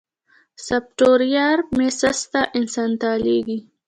سافټویر مې سسته انستالېږي.